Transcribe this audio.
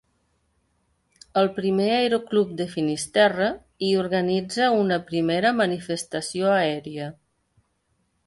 El primer aeroclub de Finisterre hi organitza una primera manifestació aèria.